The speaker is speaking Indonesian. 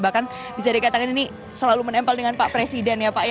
bahkan bisa dikatakan ini selalu menempel dengan pak presiden ya pak